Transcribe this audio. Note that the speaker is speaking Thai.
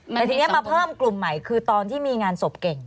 แต่ทีนี้มาเพิ่มกลุ่มใหม่คือตอนที่มีงานศพเก่ง